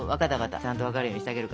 ちゃんと分かるようにしてあげるから。